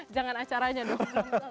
jangan acaranya dong